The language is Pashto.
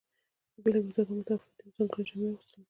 د بیلګې په توګه متفاوتې او ځانګړې جامې اغوستل کیږي.